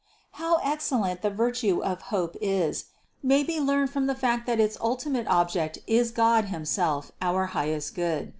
506. How excellent the virtue of hope is, may be learned from the fact that its ultimate object is God him self, our highest Good.